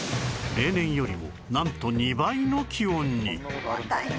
例年よりもなんと２倍の気温に